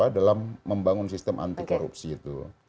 dalam membangun sistem anti korupsi itu